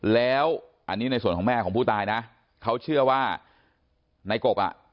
แล้วอันนี้ในส่วนของแม่ของผู้ตายนะเขาเชื่อว่าในกบอ่ะ